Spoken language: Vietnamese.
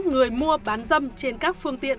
người mua bán dâm trên các phương tiện